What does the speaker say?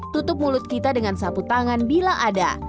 tutup mulut kita dengan satu tangan bila ada